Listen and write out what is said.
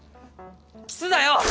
キスだよ！